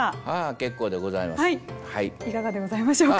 ああ結構でございます。